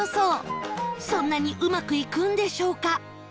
そんなにうまくいくんでしょうか？